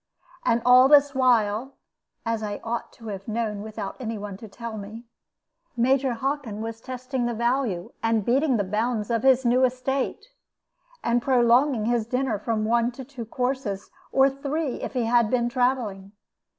And all this while (as I ought to have known, without any one to tell me) Major Hockin was testing the value and beating the bounds of his new estate, and prolonging his dinner from one to two courses, or three if he had been travelling.